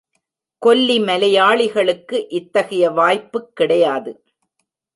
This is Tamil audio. கொல்லி மலையாளிகளுக்கு இத்தகைய வாய்ப்புக் கிடையாது.